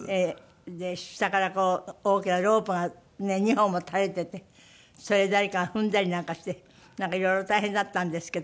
で下から大きなロープが２本も垂れていてそれ誰かが踏んだりなんかしてなんか色々大変だったんですけど。